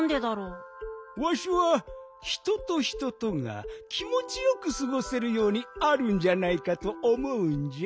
わしは人と人とが気もちよくすごせるようにあるんじゃないかとおもうんじゃ。